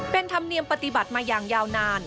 เป็นธรรมเนียมปฏิบัติมาอย่างยาวนาน